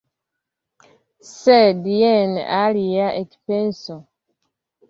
Sed jen alia ekpenso: